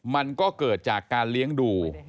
มันก็เกิดจากการเลี้ยงดู